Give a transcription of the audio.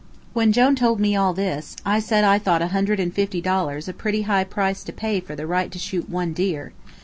When Jone told me all this, I said I thought a hundred and fifty dollars a pretty high price to pay for the right to shoot one deer.